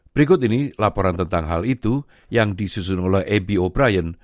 berikut ini laporan tentang hal itu yang disusun oleh e b o brien